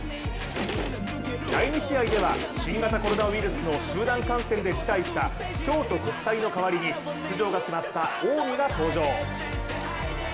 第２試合では、新型コロナウイルスの集団感染で辞退した京都国際の代わりに出場が決まった近江が登場。